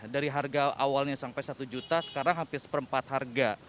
dari harga awalnya sampai satu juta sekarang hampir seperempat harga